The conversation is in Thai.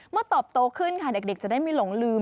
ตอบโตขึ้นค่ะเด็กจะได้ไม่หลงลืม